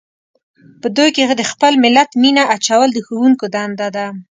په دوی کې د خپل ملت مینه اچول د ښوونکو دنده ده.